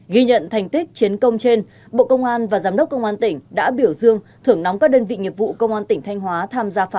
ghi nhận thành tích chiến công trên bộ công an và giám đốc công an tỉnh đã biểu dương thưởng nóng các đơn vị nghiệp vụ công an tỉnh thanh hóa tham gia phá án